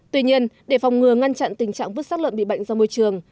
tuy nhiên để phòng ngừa ngăn chặn tình trạng vứt sát lợn bị bệnh ra môi trường